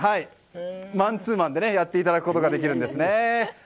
マンツーマンでやっていただくことができるんですね。